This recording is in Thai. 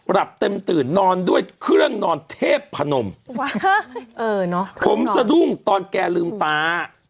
หลับเต็มตื่นนอนด้วยเครื่องนอนเทพพนมผมสะดุ้งตอนแกลืมตา